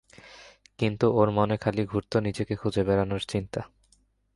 কিন্তু ওর মনে খালি ঘুরত, নিজেকে খুঁজে বেড়ানোর চিন্তা।